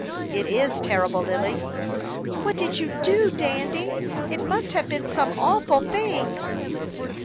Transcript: "It is terrible, Lily." "What did you do, Dandy? It must have been some awful thing."